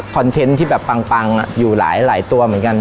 เทนต์ที่แบบปังอยู่หลายตัวเหมือนกัน